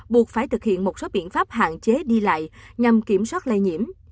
buộc phải thực hiện một số biện pháp hạn chế đi lại nhằm kiểm soát lây nhiễm